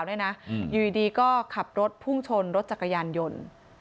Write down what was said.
ด้วยนะอยู่ดีก็ขับรถพุ่งชนรถจักรยานยนต์